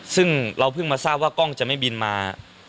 ซึ่งเราเพิ่งมาทราบว่ากล้องจะไม่บินมา